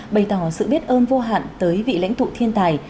bày tỏ sự biết ơn vô hạn tới vị lãnh tụ thiên tài